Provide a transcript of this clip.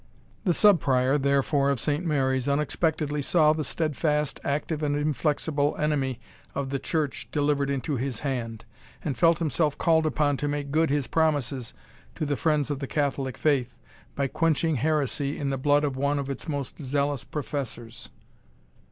The Sub Prior, therefore, of Saint Mary's, unexpectedly saw the steadfast, active, and inflexible enemy of the church delivered into his hand, and felt himself called upon to make good his promises to the friends of the Catholic faith, by quenching heresy in the blood of one of its most zealous professors.